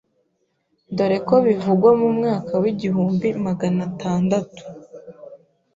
dore ko bivugwa mu mwaka wigihumbi magana tandatu